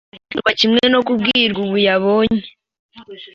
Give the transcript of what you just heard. gukumirwa kimwe no kubwirwa ubu Yabonye